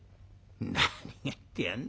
「何言ってやんだ。